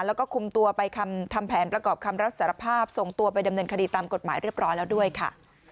แล้วก็คุมตัวไปทำแผนประกอบคำรับสารภาพส่งตัวไปดำเนินคดีตามกฎหมายเรียบร้อยแล้วด้วยค่ะ